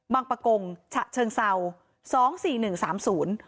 ปะกงฉะเชิงเศร้าสองสี่หนึ่งสามศูนย์